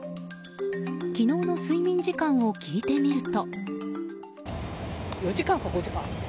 昨日の睡眠時間を聞いてみると。